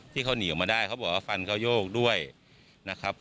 ที่เขาหนีออกมาได้เขาบอกว่าฟันเขาโยกด้วยนะครับ